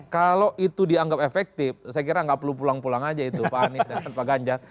kalau itu dianggap efektif saya kira nggak perlu pulang pulang aja itu pak anies dan pak ganjar